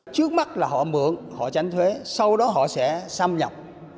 trước mắt là họ mượn họ tránh thuế sau đó họ sẽ xâm nhập